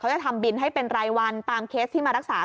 จะทำบินให้เป็นรายวันตามเคสที่มารักษา